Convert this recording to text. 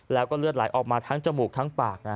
แล้วก็เลือดไหลออกมาทั้งจมูกทั้งปากนะ